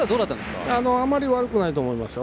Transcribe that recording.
あまり悪くないと思います。